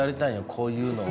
こういうのを。